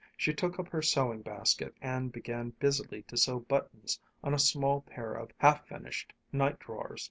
She took up her sewing basket and began busily to sew buttons on a small pair of half finished night drawers.